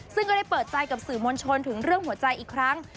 ซึ่งก็ได้เปิดใจกับสื่อมวลชนถึงเรื่องหัวใจอีกครั้ง